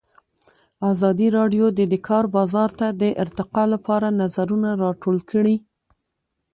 ازادي راډیو د د کار بازار د ارتقا لپاره نظرونه راټول کړي.